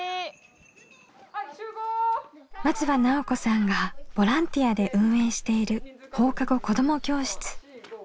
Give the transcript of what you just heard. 松場奈緒子さんがボランティアで運営している放課後子ども教室。